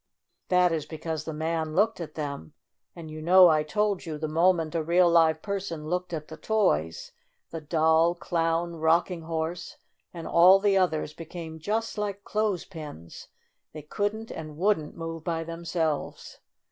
That is because the man looked at them, and you know I told you the moment a real, live person looked at the toys, the Doll, Clown, Rocking Horse, and all the others became just like clothes pins — they couldn't and wouldn't move by themselves.